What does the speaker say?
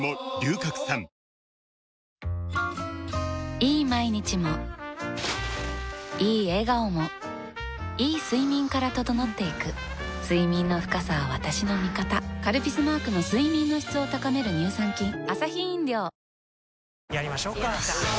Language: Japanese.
いい毎日もいい笑顔もいい睡眠から整っていく睡眠の深さは私の味方「カルピス」マークの睡眠の質を高める乳酸菌声